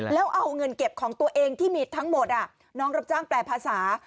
แล้วเอาเงินเก็บของตัวเองที่มีทั้งหมดน้องรับจ้างแปลภาษา